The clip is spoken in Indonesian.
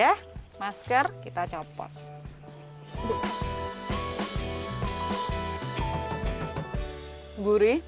atau ayun baru